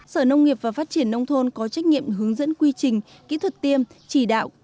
sở nông nghiệp và phát triển nông thôn có trách nhiệm hướng dẫn quy trình kỹ thuật tiêm chỉ đạo